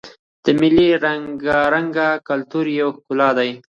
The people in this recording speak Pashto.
مېلې د رنګارنګ کلتور یوه ښکلا ده.